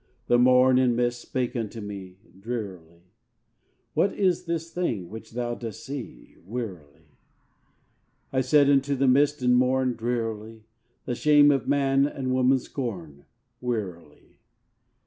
The morn and mist spake unto me, Drearily: "What is this thing which thou dost see?" (Wearily.) I said unto the mist and morn, Drearily: "The shame of man and woman's scorn." (Wearily.)